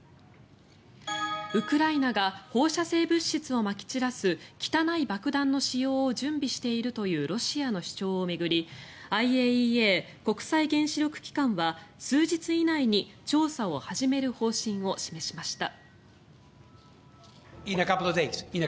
ウクライナが放射性物質をまき散らす汚い爆弾の使用を準備しているというロシアの主張を巡りＩＡＥＡ・国際原子力機関は数日以内に調査を始める方針を示しました。